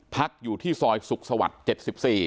พักอยู่ที่ซอยสุขสวรรค์๗๔